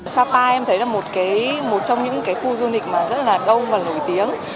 sapa em thấy là một trong những khu du lịch rất là đông và nổi tiếng